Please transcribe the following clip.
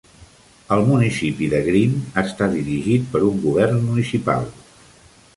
El municipi de Green està dirigit per un govern municipal.